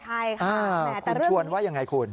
ใช่ค่ะแต่เรื่องนี้คุณชวนว่ายังไงคุณ